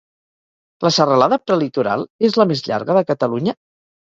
La Serralada Prelitoral és la més llarga de Catalunya?